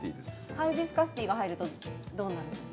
ハイビスカスティーが入るとどうなるんですか？